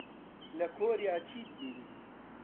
لە کۆریا چیت بینی؟